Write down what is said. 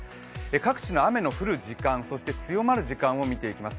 各地の雨の降る時間、そして強まる時間を見ていきます。